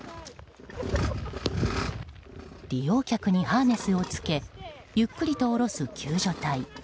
利用客にハーネスを着けゆっくりと下ろす救助隊。